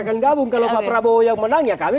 akan gabung kalau pak prabowo yang menang ya kami